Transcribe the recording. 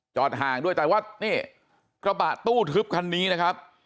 ห่างด้วยแต่ว่านี่กระบะตู้ทึบคันนี้นะครับ